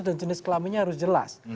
dan jenis kelaminnya harus jelas